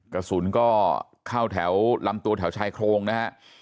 กระสุนก็เข้าแถวลำตัวแถวชายโครงนะฮะ